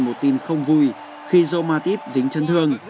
một tin không vui khi joe matip dính chấn thương